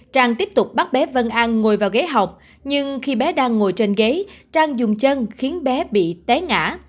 trang tiếp tục bắt bé vân ăn ngồi vào ghế học nhưng khi bé đang ngồi trên ghế trang dùng chân khiến bé bị té ngã